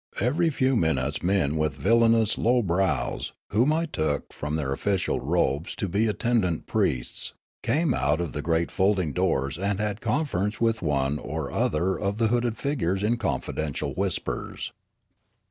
Kvery few minutes men with villainous low brows, whom I took from their official robes to be attendant priests, came out of the great folding doors and had conference with one or other of the hooded figures in confidential whispers.